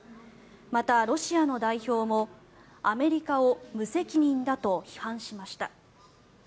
また、ロシアの代表もアメリカを無責任だと批判しました。